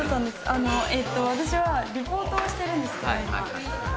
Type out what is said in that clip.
あのえっと私はリポートをしてるんですね